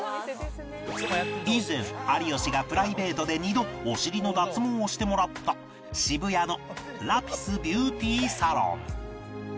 以前有吉がプライベートで２度お尻の脱毛をしてもらった渋谷のラピスビューティーサロン